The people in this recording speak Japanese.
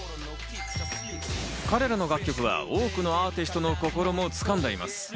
彼らの楽曲は多くのアーティストの心も掴んでいます。